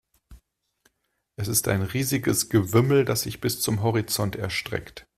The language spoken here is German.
Es ist ein riesiges Gewimmel, das sich bis zum Horizont erstreckt.